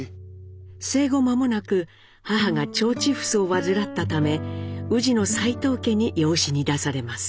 生後まもなく母が腸チフスを患ったため宇治の齋藤家に養子に出されます。